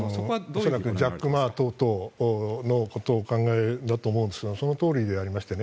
恐らくジャック・マー等のことをお考えだと思いますがそのとおりでありまして。